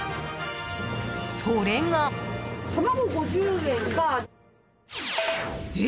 それが。え？